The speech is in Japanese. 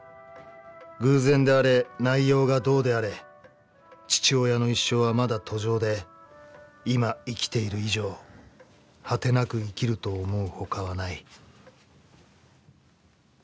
偶然であれ、内容がどうであれ、父親の一生はまだ途上で、今生きている以上、果てなく生きると思うほかはない」。